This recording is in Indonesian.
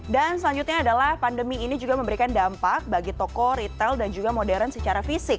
dan selanjutnya adalah pandemi ini juga memberikan dampak bagi toko retail dan juga modern secara fisik